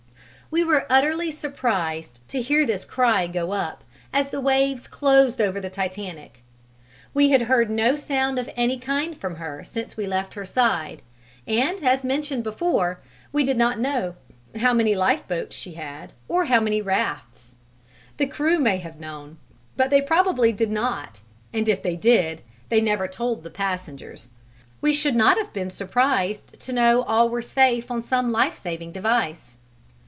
We were utterly surprised to hear this cry go up as the waves closed over the Titanic: we had heard no sound of any kind from her since we left her side; and, as mentioned before, we did not know how many boats she had or how many rafts. The crew may have known, but they probably did not, and if they did, they never told the passengers; we should not have been surprised to know all were safe on some life saving device.